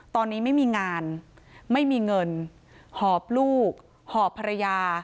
ตอนนี้ไม่มีงานไม่มีเงินหอบลูกหอบภรรยา